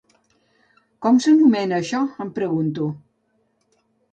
Com s'anomena això, em pregunto?